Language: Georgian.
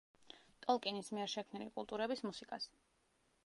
ტოლკინის მიერ შექმნილი კულტურების მუსიკას.